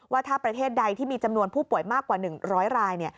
ว่าถ้าประเทศใดที่มีจำนวนผู้ป่วยมากกว่า๑๐๐ราย